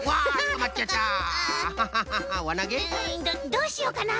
どどうしようかな。